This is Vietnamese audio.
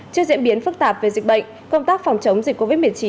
trước diễn biến phức tạp về dịch bệnh công tác phòng chống dịch covid một mươi chín